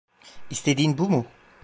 İstediğin bu mu?